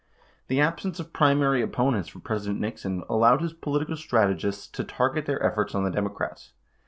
The absence of primary opponents for President Nixon allowed his political strategists to target their efforts on the Democrats.